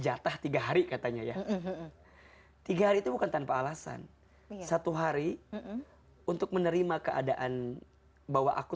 jatah tiga hari katanya ya tiga hari itu bukan tanpa alasan satu hari untuk menerima keadaan bahwa aku